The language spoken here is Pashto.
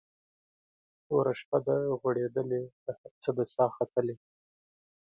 توره شپه ده غوړېدلې له هر څه ده ساه ختلې